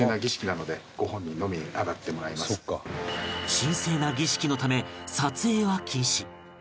神聖な儀式のため撮影は禁止